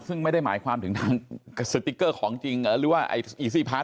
ซึ่งไม่ได้หมายความถึงทางสติ๊กเกอร์ของจริงหรือว่า